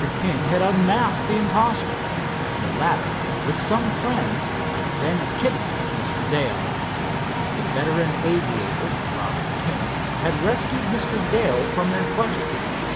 King had unmasked the imposter. The latter, with some friends, had then kidnapped Mr. Dale. The veteran aviator, Robert King, had rescued Mr. Dale from their clutches.